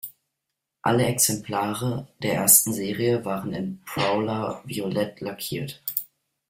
Alle Exemplare der ersten Serie waren in Prowler-Violett lackiert.